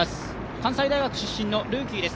関西大学出身のルーキーです。